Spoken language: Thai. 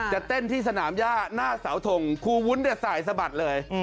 จะเต้นที่สนามย่าหน้าเสาทงครูวุ้นเนี่ยสายสะบัดเลย